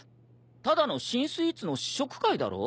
ただの新スイーツの試食会だろ？